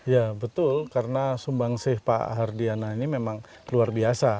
ya betul karena sumbangsih pak hardiana ini memang luar biasa